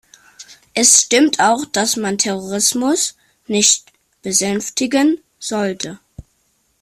Es stimmt auch, dass man Terrorismus nicht besänftigen sollte.